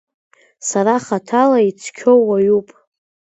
Сара хаҭала ицқьоу уаҩуп.